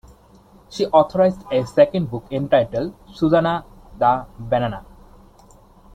She authored a second book entitled "Suzanna the Banana".